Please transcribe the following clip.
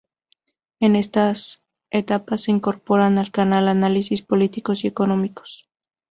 En esta etapa se incorporan al canal analistas políticos y económicos.